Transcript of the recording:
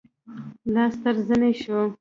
لاس تر زنې شو.